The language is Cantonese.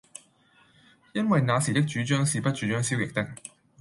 因爲那時的主將是不主張消極的。